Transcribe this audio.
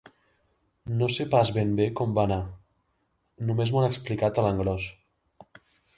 No sé pas ben bé com va anar: només m'ho han explicat a l'engròs.